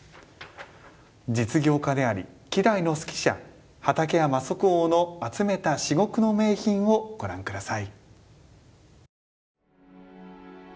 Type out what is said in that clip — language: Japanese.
実業家であり稀代の数奇者畠山即翁の集めた至極の名品をご覧ください。